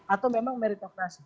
atau memang meritokrasi